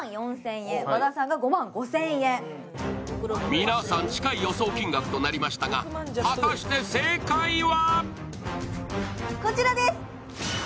皆さん近い予想金額となりましたが果たして正解は？